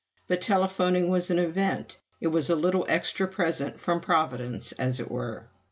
But telephoning was an event: it was a little extra present from Providence, as it were.